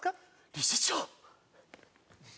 理事長！